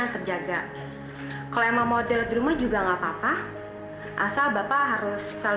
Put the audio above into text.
percaya sama aku